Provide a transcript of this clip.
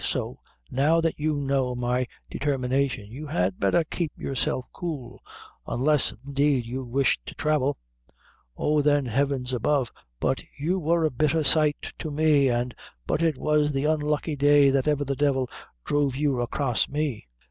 So now that you know my determination you had betther keep yourself cool, unless, indeed, you wish to thravel. Oh, then heaven's above, but you wor a bitther sight to me, an' but it was the unlucky day that ever the divil druv you acrass me!"